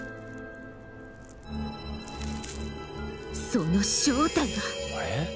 その正体は。